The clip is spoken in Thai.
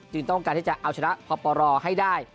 จึงต้องการให้จะเอาชนะพ่อปอลอให้ได้